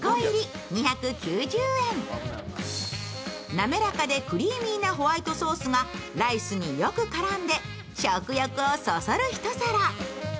滑らかでクリーミーなホワイトソースがライスによく絡んで食欲をそそる一皿。